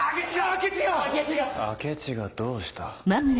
明智がどうした？